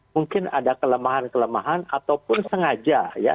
mungkin ada kelemahan kelemahan ataupun sengaja ya